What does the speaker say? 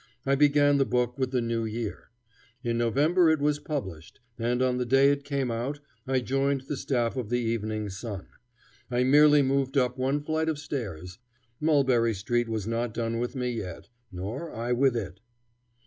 I began the book with the new year. In November it was published, and on the day it came out I joined the staff of the Evening Sun. I merely moved up one flight of stairs. Mulberry Street was not done with me yet, nor I with it.